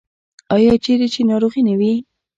آیا چیرې چې ناروغي نه وي؟